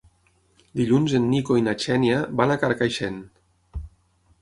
Dilluns en Nico i na Xènia van a Carcaixent.